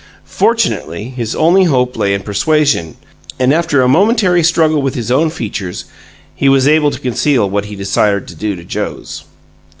Fortunately, his only hope lay in persuasion, and after a momentary struggle with his own features he was able to conceal what he desired to do to Joe's.